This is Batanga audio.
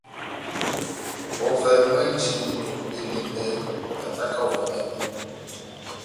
Ovɛ mwɛ́nji ó Belimbè, tátáka ovɛ mɛtɛ,